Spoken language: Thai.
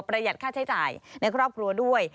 หัดค่าใช้จ่ายในครอบครัวด้วย